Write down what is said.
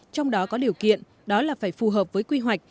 trong đó có điều kiện đó là phải phù hợp với quy hoạch